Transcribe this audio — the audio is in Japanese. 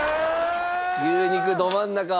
牛肉どまん中。